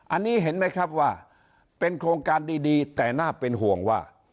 อันนี้เห็นไหมครับว่าเป็นโครงการดีแต่น่าเป็นห่วงว่า